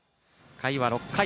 回は６回。